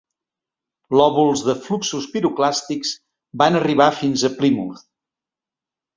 Lòbuls de fluxos piroclàstics van arribar fins a Plymouth.